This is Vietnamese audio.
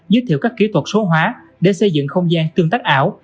giới thiệu các kỹ thuật số hóa để xây dựng không gian tương tác ảo